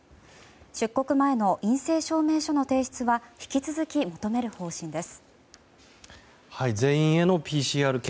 出国前の陰性証明書の提出は引き続き求める方針です。